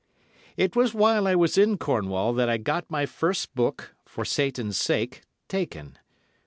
It was while I was in Cornwall that I got my first book, "For Satan's Sake," taken.